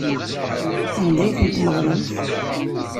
Anda ay tent-tmeḍlemt?